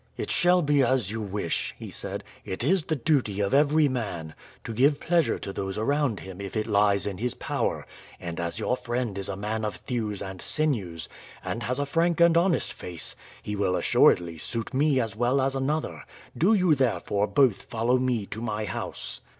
"It shall be as you wish," he said; "it is the duty of every man to give pleasure to those around him if it lies in his power, and as your friend is a man of thews and sinews, and has a frank and honest face, he will assuredly suit me as well as another; do you therefore both follow me to my house."